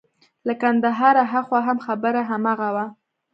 له کندهاره هاخوا هم خبره هماغه وه.